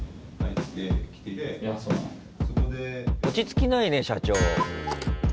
落ち着きないね社長。